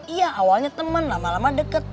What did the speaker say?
iya awalnya teman lama lama deket